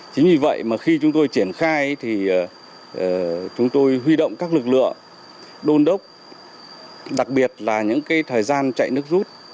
chính vì vậy mà khi chúng tôi triển khai thì chúng tôi huy động các lực lượng đôn đốc đặc biệt là những thời gian chạy nước rút